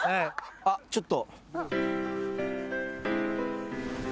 あっちょっと。